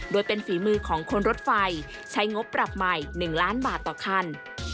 โดยเป็นฝีมือของคนรถไฟใช้งบปรับใหม่๑ล้านบาทต่อคัน